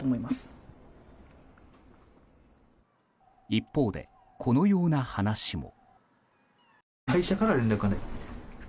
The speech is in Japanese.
一方でこのような話も。